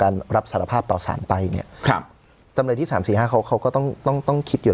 การรับสารภาพต่อสารไปจำเลยที่๓๕เขาก็ต้องต้องคิดอยู่